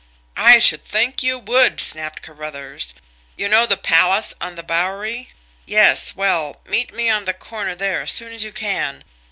"I should think you would!" snapped Carruthers. "You know the Palace on the Bowery? Yes? Well, meet me on the corner there as soon as you can.